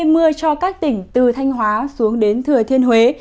mưa cho các tỉnh từ thanh hóa xuống đến thừa thiên huế